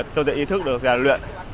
tôi sẽ ý thức được giả luyện